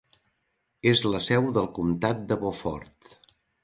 És la seu del Comtat de Beaufort.